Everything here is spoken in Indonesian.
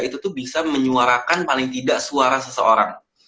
itu tuh bisa menyuarakan paling tidak suara seseorang